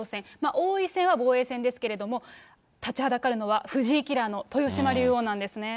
王位戦は防衛戦ですけれども、立ちはだかるのは藤井キラーの豊島竜王なんですね。